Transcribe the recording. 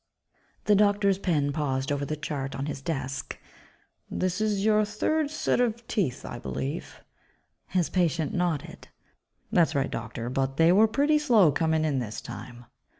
by Robert J. Martin The doctor's pen paused over the chart on his desk, "This is your third set of teeth, I believe?" His patient nodded, "That's right, Doctor. But they were pretty slow coming in this time."